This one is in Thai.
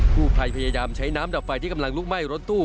ผู้ภัยพยายามใช้น้ำดับไฟที่กำลังลุกไหม้รถตู้